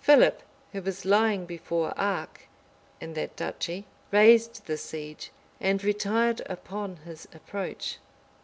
Philip, who was lying before Arques, in that duchy, raised the siege and retired upon his approach.